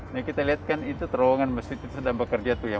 nah kita lihat kan itu terowongan masjid itu sedang bekerja tuh ya